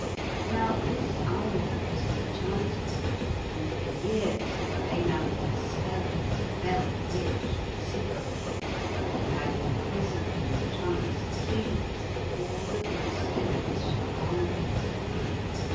Now this island was enchanted, and for years had Iain under the spell of a fell witch, Sycorax, who had imprisoned in the trunks of trees all the good spirits she found there.